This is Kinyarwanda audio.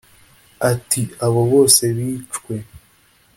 ati"abo bose bicwe